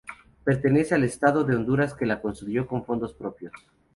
Pertenece al estado de Honduras, que la construyó con fondos propios.